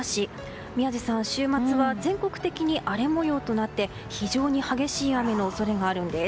宮司さん、週末は全国的に荒れ模様となって非常に激しい雨の恐れがあるんです。